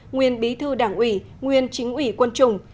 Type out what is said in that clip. nguyên bí thư đảng ủy nguyên chính ủy quân chủng